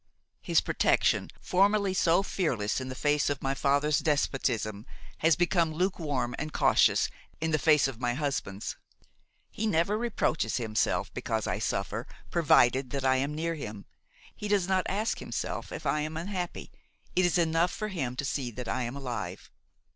His protection, formerly so fearless in face of my father's despotism, has become lukewarm and cautious in face of my husband's. He never reproaches himself because I suffer, provided that I am near him. He does not ask himself if I am unhappy; it is enough for him to see that I am alive.